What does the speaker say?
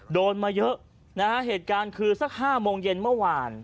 โดนมาเยอะนะฮะเหตุการณ์คือสัก๕โมงเย็นเมื่อวาน